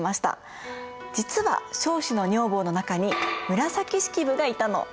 実は彰子の女房の中に紫式部がいたの。